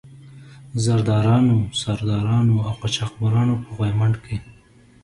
زردارانو، سردارانو او قاچاق برانو په غويمند کې.